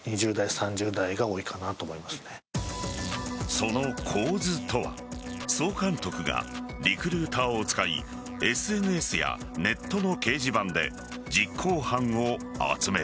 その構図とは総監督がリクルーターを使いＳＮＳやネットの掲示板で実行犯を集める。